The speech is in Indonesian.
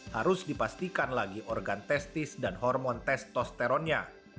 harus dipastikan lagi organ testis dan hormon testosteronnya